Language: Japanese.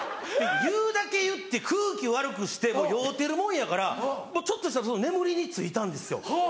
言うだけ言って空気悪くして酔うてるもんやからちょっとしたら眠りについたんですよ。